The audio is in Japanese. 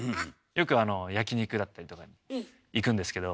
よく焼き肉だったりとかに行くんですけど。